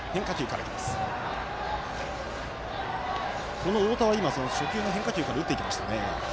この太田は初球の変化球から打っていきました。